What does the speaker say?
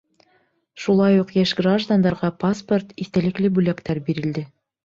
Шулай уҡ йәш граждандарға паспорт, иҫтәлекле бүләктәр бирелде.